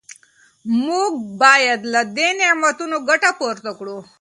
موږ باید له دې نعمتونو ګټه پورته کړو.